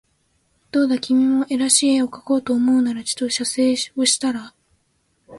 どうだ君も画らしい画をかこうと思うならちと写生をしたら